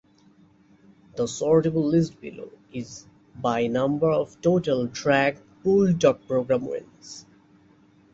The sortable list below is by number of total Drake Bulldog program wins.